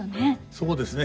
そうですね。